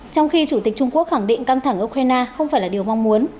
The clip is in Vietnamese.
trong khi chủ tịch trung quốc khẳng định căng thẳng ukraine không phải là điều mong muốn